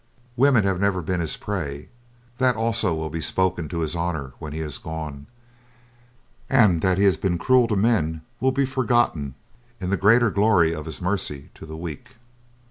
"Women have never been his prey; that also will be spoken of to his honor when he is gone, and that he has been cruel to men will be forgotten in the greater glory of his mercy to the weak.